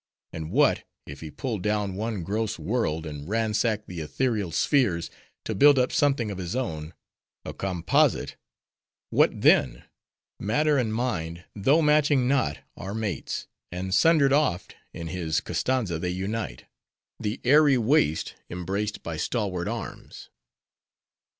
And what, if he pulled down one gross world, and ransacked the etherial spheres, to build up something of his own—a composite:—what then? matter and mind, though matching not, are mates; and sundered oft, in his Koztanza they unite:—the airy waist, embraced by stalwart arms.